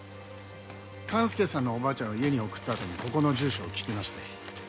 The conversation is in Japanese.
勘介さんのおばあちゃんを家に送ったあとにここの住所を聞きまして。